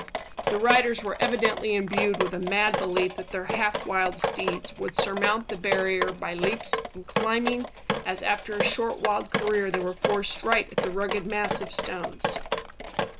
The riders were evidently imbued with a mad belief that their half wild steeds would surmount the barrier by leaps and climbing, as after a short wild career they were forced right at the rugged mass of stones.